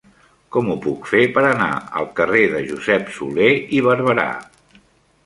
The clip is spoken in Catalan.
Com ho puc fer per anar al carrer de Josep Solé i Barberà?